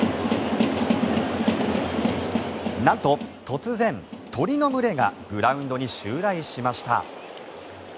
なんと突然、鳥の群れがグラウンドに襲来しました。